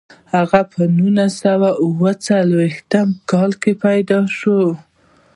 هغه په نولس سوه اووه څلویښت کال کې پیدا شو.